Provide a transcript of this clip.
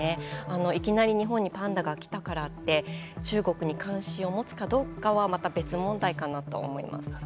いきなり日本にパンダが来たからって中国に関心を持つかどうかはまた別問題かなと思います。